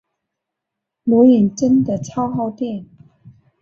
录影真的超耗电